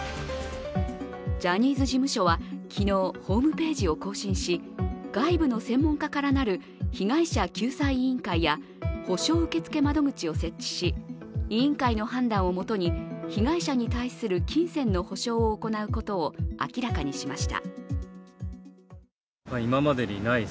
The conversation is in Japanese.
ジャニーズ事務所は昨日、ホームページを更新し、外部の専門家からなる被害者救済委員会や補償受付窓口を設置し委員会の判断をもとに被害者に対する金銭の補償を行うことを明らかにしました。